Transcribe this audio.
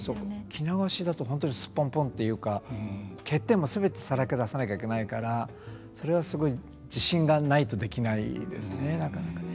着流しだと本当にすっぽんぽんっていうか欠点もすべてさらけ出さなきゃいけないからそれはすごい自信がないとできないですねなかなかね。